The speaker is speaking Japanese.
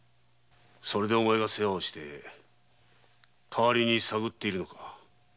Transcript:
それでお前が世話をして代わりに探っているのか。